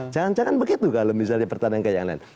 jangan jangan begitu kalau misalnya pertanyaan ke yang lain